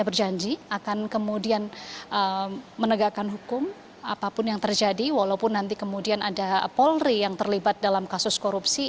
mereka berjanji akan kemudian menegakkan hukum apapun yang terjadi walaupun nanti kemudian ada polri yang terlibat dalam kasus korupsi